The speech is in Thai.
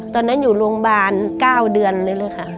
ตอนนั้นอยู่โรงบาล๙เดือนเลยค่ะ